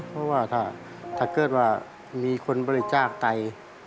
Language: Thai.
เพราะว่าถ้าเกิดว่ามีคนบริจาคไต